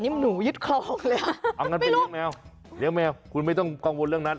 นิยมหนูช่างนี่เธอชำนวนใหญ่นะ